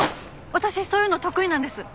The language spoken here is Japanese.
私そういうの得意なんです。